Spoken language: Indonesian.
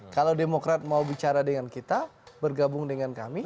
kalau demokrat mau bicara dengan kita bergabung dengan kami